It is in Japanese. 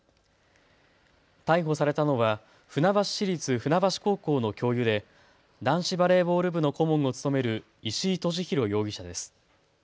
逮捕されたのは船橋市立船橋高校の教諭で男子バレーボール部の顧問を務める石井利広容疑者です。